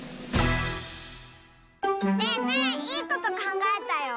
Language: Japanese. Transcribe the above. ねえねえいいことかんがえたよ。